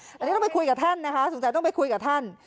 อันนี้ต้องไปคุยกับท่านนะคะสงสัยต้องไปคุยกับท่าน